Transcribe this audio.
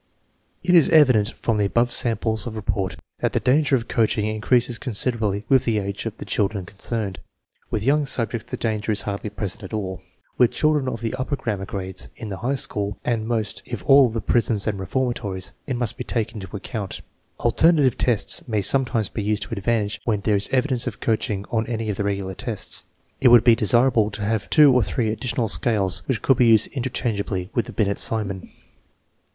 It is evident from the above samples of report that the danger of coaching increases considerably with the age of the children concerned. With young subjects the danger is hardly present at all; with children of the upper grammar grades, in the high school, and most of all in prisons and reformatories, it must be taken into account. Alternative tests may sometimes be used to advantage when there is evidence of coaching on any of the regular tests. It would be desirable to have two or three additional scales which could be used interchangeably with the Binet Simon.